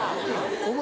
お前